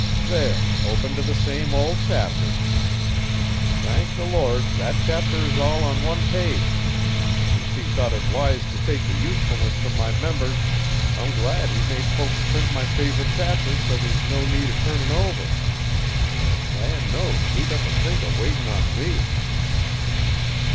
There, open t' the same old chapter. Thank the Lord, that chapter is all on one page! Since He thought wise to take the usefulness from my members, I'm glad He made folks print my favorite chapter so there's no need of turnin' over. Land knows, who'd ever think of waitin' on me!"